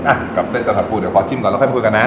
อ่ะกับเส้นจันทะปูเดี๋ยวขอชิมก่อนแล้วค่อยคุยกันนะ